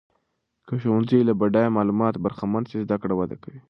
که ښوونځۍ له بډایه معلوماتو برخمن سي، زده کړه وده کوي.